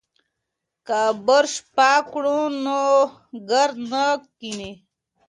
که فرش پاک کړو نو ګرد نه کښیني.